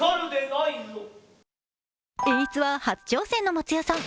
演出は初挑戦の松也さん。